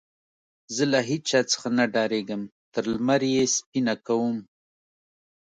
زه له هيچا څخه نه ډارېږم؛ تر لمر يې سپينه کوم.